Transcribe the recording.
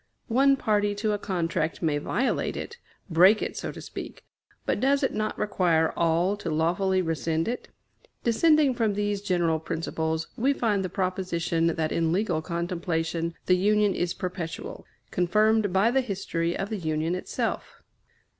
One party to a contract may violate it break it, so to speak; but does it not require all to lawfully rescind it? Descending from these general principles, we find the proposition that in legal contemplation the Union is perpetual, confirmed by the history of the Union itself.